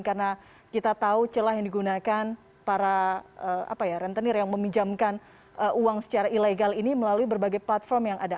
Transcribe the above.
karena kita tahu celah yang digunakan para rentenir yang meminjamkan uang secara ilegal ini melalui berbagai platform yang ada